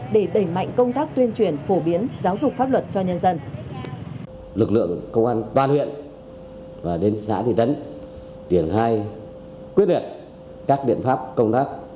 để đẩy mạnh công tác tuyên truyền phổ biến giáo dục pháp luật cho nhân dân